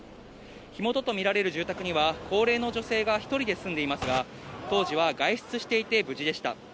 火元と見られる住宅には、高齢の女性が１人で住んでいますが、当時は外出していて無事でした。